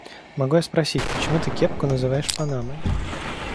Могу я спросить, почему ты кепку называешь панамой?